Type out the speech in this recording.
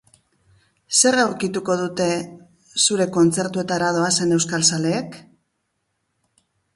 Zer aurkituko dute zure kontzertuetara doazen euskal zaleek?